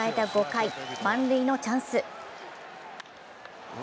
５回、満塁のチャンス。